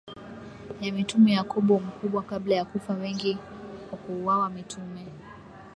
ya Mitume Yakobo Mkubwa Kabla ya kufa wengi kwa kuuawa mitume